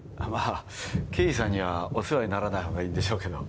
刑事さんにはお世話にならないほうがいいんでしょうけど。